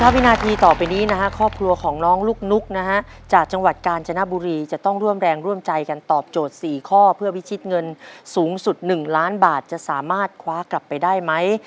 วินาทีต่อไปนี้นะฮะครอบครัวของน้องลูกนุ๊กนะฮะจากจังหวัดกาญจนบุรีจะต้องร่วมแรงร่วมใจกันตอบโจทย์๔ข้อเพื่อพิชิตเงินสูงสุด๑ล้านบาทจะสามารถคว้ากลับไปได้ไหม